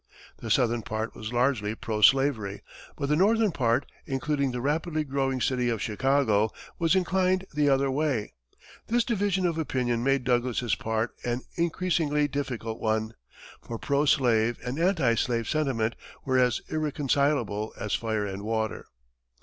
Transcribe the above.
The southern part was largely pro slavery, but the northern part, including the rapidly growing city of Chicago, was inclined the other way. This division of opinion made Douglas's part an increasingly difficult one, for pro slave and anti slave sentiment were as irreconcilable as fire and water.